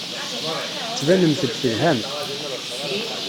Tettbanemt-d telhamt.